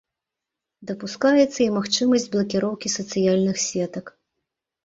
Дапускаецца і магчымасць блакіроўкі сацыяльных сетак.